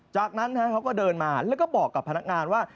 จากนั้นเขาก็เดินมาแล้วก็บอกกับพนักงานว่า